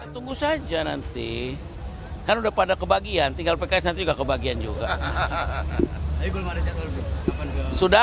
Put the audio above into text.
tunggu saja nanti kan udah pada kebagian tinggal pks nanti juga kebagian juga hahaha